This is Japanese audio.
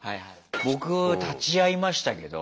僕立ち会いましたけど。